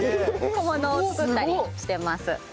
小物を作ったりしてます。